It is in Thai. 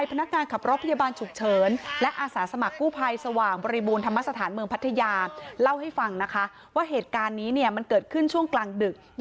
เพราะว่าเหตุการณ์นี้มันเกิดขึ้นช่วงกลางดึก